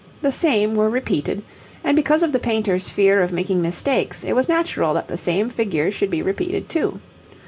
The same were repeated, and because of the painter's fear of making mistakes it was natural that the same figures should be repeated too.